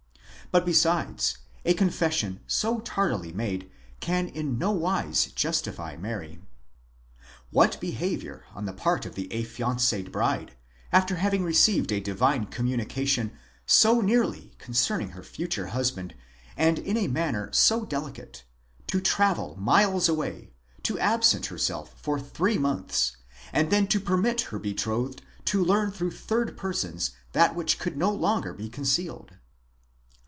But besides, a confession so tardily made can in nowise justify Mary. What behaviour on the part of an affianced bride— after having received a divine communication, so nearly concerning her future husband, and in a matter so delicate—to travel miles away, to absent herself for three months, and then to permit her betrothed to learn through third persons that which could no longer be concealed